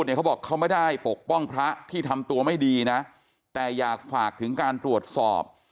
เขาบอกเขาไม่ได้ปกป้องพระที่ทำตัวไม่ดีนะแต่อยากฝากถึงการตรวจสอบ